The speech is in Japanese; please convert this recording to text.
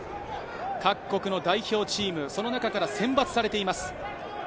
各国の代表チーム、その中から選抜されています。